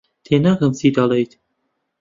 تێناگەم چی دەڵێیت.